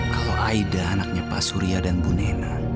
kalau aida anaknya pak surya dan bu nena